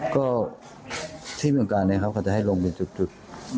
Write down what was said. ก็ที่เหมือนกันเองครับเค้าจะให้ลงเป็นจุด